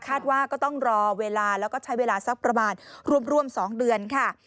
ว่าก็ต้องรอเวลาแล้วก็ใช้เวลาสักประมาณร่วม๒เดือนค่ะ